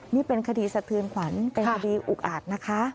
นี่เป็นคดีสะเทือนขวัญเป็นคดีอุกอาจนะคะ